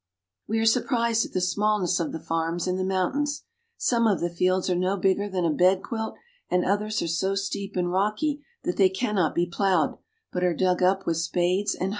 We are surprised at the smallness of the farms in the mountains. Some of the fields are no bigger than a bed quilt, and others are so steep and rocky that they cannot be plowed, but are dug up with spades and hoes.